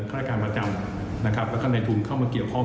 ค่อยการประจำแล้วก็ในทุนเข้ามาเกี่ยวข้อง